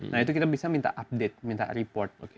nah itu kita bisa minta update minta report